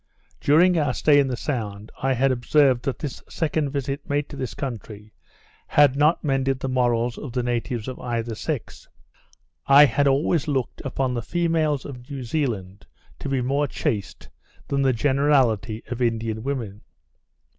During our stay in the sound, I had observed that this second visit made to this country, had not mended the morals of the natives of either sex. I had always looked upon the females of New Zealand to be more chaste than the generality of Indian women.